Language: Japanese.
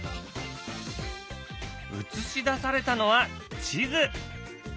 映し出されたのは地図。